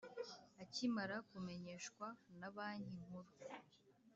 Akimara kumenyeshwa na Banki Nkuru